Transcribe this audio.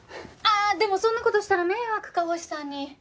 ああでもそんな事したら迷惑か星さんに。